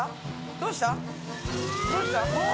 どうした？